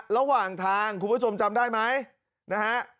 ระหว่างทางคุณผู้ชมจำได้ไหมนะฮะ